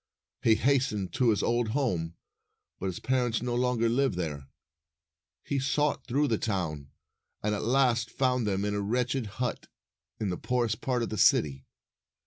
He hastened to his old home, but his parents no longer lived there. He sought through the town, and at last found them in a wretched hut in the poorest part of the city.